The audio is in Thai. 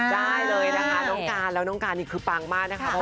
ได้เลยนะคะน้องการแล้วน้องการนี่คือปังมากนะคะ